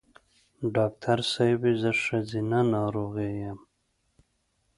ډاکټر صېبې زه ښځېنه ناروغی یم